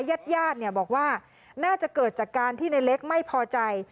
ญาติญาติบอกว่าน่าจะเกิดจากการที่ในเล็กไม่พอใจ